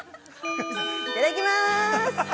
◆いただきまーす。